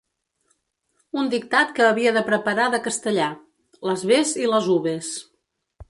Un dictat que havia de preparar de castellà: “Las bes i las uves”.